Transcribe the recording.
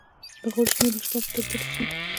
د غړو شمېر له شپږو تر دولسو وي.